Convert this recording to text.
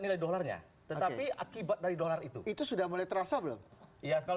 ya hovering ternya tetapi akibat dari dollar itu itu sudah mulai terasa belum iya kalau